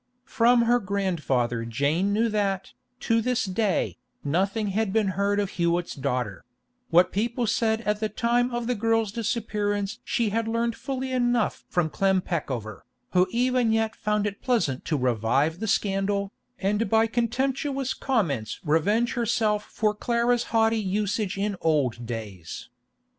From her grandfather Jane knew that, to this day, nothing had been heard of Hewett's daughter; what people said at the time of the girl's disappearance she had learned fully enough from Clem Peckover, who even yet found it pleasant to revive the scandal, and by contemptuous comments revenge herself for Clara's haughty usage in old days.